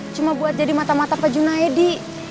cuma buat jadi mata mata pejunah edi